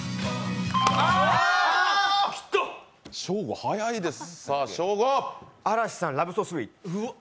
ショーゴ早いです。